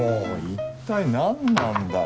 一体なんなんだよ。